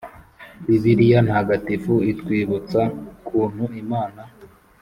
-bibiliya ntagatifu itwibutsa ukuntu imana